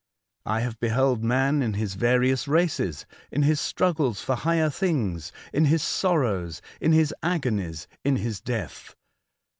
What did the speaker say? I have beheld man in his various races, in his struggles for higher things, in his sorrows, in his agonies, in his death.